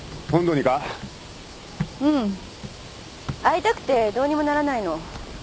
会いたくてどうにもならないの。